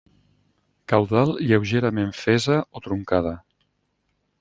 Caudal lleugerament fesa o truncada.